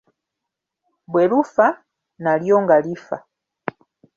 Bwe lufa, nalyo nga lifa.